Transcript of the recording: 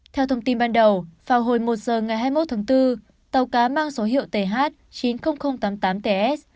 theo thông tin ban đầu vào hồi một giờ ngày hai mươi một tháng bốn tàu cá mang số hiệu th chín mươi nghìn tám mươi tám ts